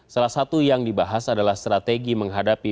salah satu yang dibahas adalah strategi menghadapi